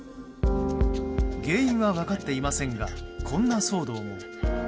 原因は分かっていませんがこんな騒動も。